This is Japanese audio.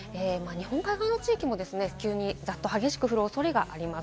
日本海側の地域も急にざっと激しく降るおそれがあります。